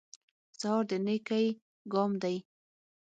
سهار د نېکۍ ګام دی.